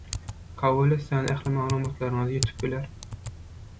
Kabul etseňiz ähli maglumatlaryňyz ýitip biler